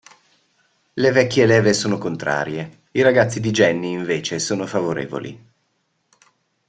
Le vecchie leve sono contrarie, i ragazzi di Genny invece sono favorevoli.